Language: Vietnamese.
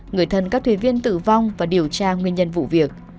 người thân các thuyền viên tử vong và điều tra nguyên nhân vụ việc